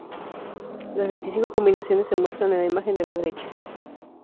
Las veinticinco combinaciones se muestran en la imagen de la derecha.